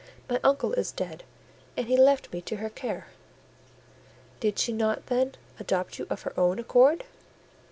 My uncle is dead, and he left me to her care." "Did she not, then, adopt you of her own accord?"